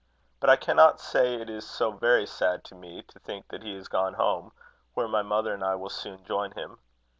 But I cannot say it is so very sad to me to think that he is gone home, where my mother and I will soon join him.